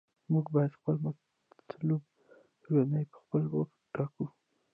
موږ باید خپل مطلوب ژوند په خپله وټاکو.